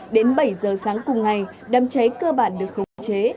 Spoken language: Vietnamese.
đến bảy giờ sáng cùng ngày đám cháy cơ bản được khống chế